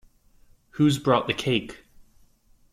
Who's brought the cake?